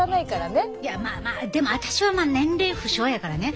まあまあでも私は年齢不詳やからね。